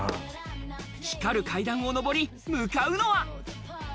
光る階段を上り、向かうのは。